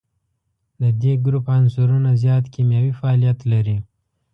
د دې ګروپ عنصرونه زیات کیمیاوي فعالیت لري.